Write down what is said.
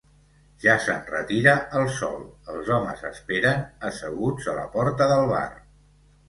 Ja s'enretira el sol: els homes esperen, asseguts a la porta del bar.